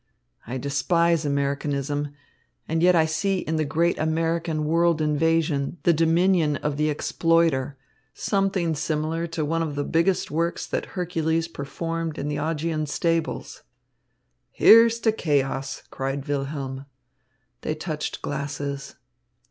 I despise Americanism, and yet I see in the great American world invasion, the dominion of the exploiter, something similar to one of the biggest works that Hercules performed in the Augean stables." "Here's to chaos!" cried Wilhelm. They touched glasses.